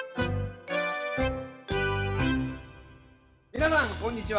皆さん、こんにちは。